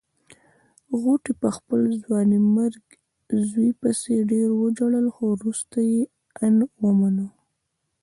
غوټۍ په خپل ځوانيمرګ زوی پسې ډېر وژړل خو روسته يې ان ومانه.